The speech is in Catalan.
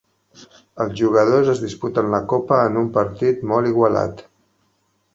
Els jugadors es disputen la copa en un partit molt igualat.